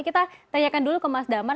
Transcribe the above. kita tanyakan dulu ke mas damar